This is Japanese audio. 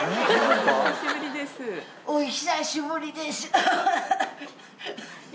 お久しぶりです。